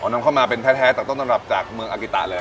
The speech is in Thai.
นำเข้ามาเป็นแท้จากต้นตำรับจากเมืองอากิตะเลย